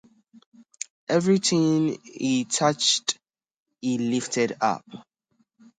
Everything he touched he lifted up.